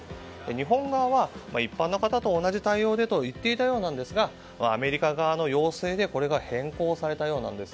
日本側は一般の方と同じ対応でと言っていたようなんですがアメリカ側の要請でこれが変更されたようなんです。